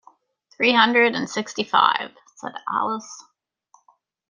‘Three hundred and sixty-five,’ said Alice.